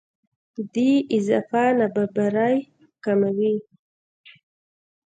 دې اضافه نابرابرۍ کموي.